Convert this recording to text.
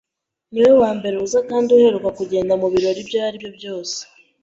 Niwe wambere uza kandi uheruka kugenda mubirori ibyo aribyo byose.